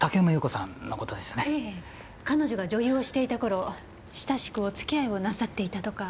彼女が女優をしていた頃親しくお付き合いをなさっていたとか。